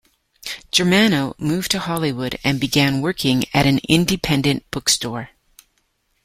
Germano moved to Hollywood, and began working at an independent bookstore.